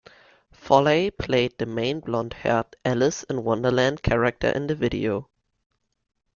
Foley played the main blond haired Alice in Wonderland character in the video.